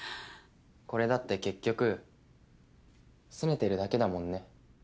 これだって結局すねてるだけだもんね。